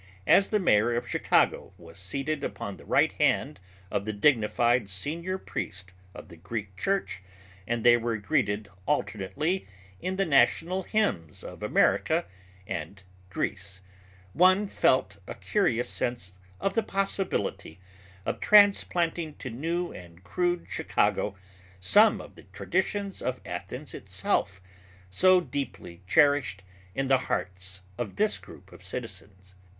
As the mayor of Chicago was seated upon the right hand of the dignified senior priest of the Greek Church and they were greeted alternately in the national hymns of America and Greece, one felt a curious sense of the possibility of transplanting to new and crude Chicago some of the traditions of Athens itself, so deeply cherished in the hearts of this group of citizens.